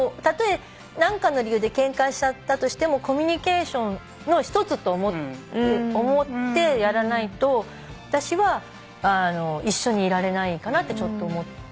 たとえ何かの理由でケンカしちゃったとしてもコミュニケーションの１つと思ってやらないと私は一緒にいられないかなってちょっと思ったから。